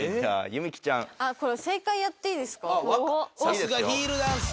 さすが！ヒールダンス。